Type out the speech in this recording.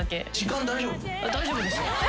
大丈夫ですよ。